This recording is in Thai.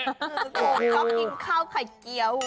โอ้โหเขากินข้าวไข่เกียว